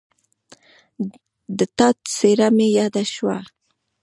د تا څېره مې یاده شوه